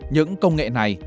những công nghệ này